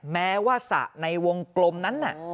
แม้ว่าสระในวงกลมนั้น